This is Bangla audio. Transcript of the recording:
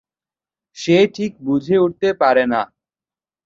সে ঠিক বুঝে উঠতে পারে না।